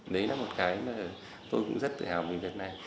đấy là một cái mà tôi cũng rất tự hào về việt nam